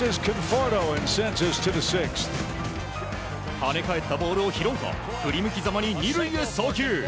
跳ね返ったボールを拾うと振り向きざまに２塁へ送球。